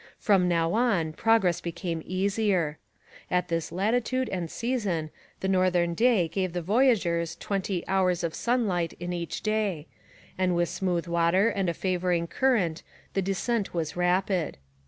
From now on, progress became easier. At this latitude and season the northern day gave the voyageurs twenty hours of sunlight in each day, and with smooth water and a favouring current the descent was rapid.